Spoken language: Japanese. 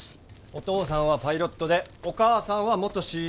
お父さんはパイロットでお母さんは元ＣＡ。